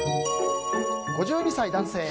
５２歳、男性。